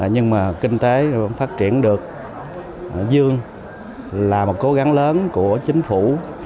nhưng mà kinh tế vẫn phát triển được dương là một cố gắng lớn của chính phủ